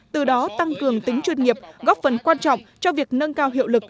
từ đó tăng cường tính chuyên nghiệp góp phần quan trọng cho việc nâng cao hiệu lực